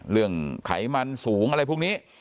เรื่องไขมันสูงอะไรพวกนี้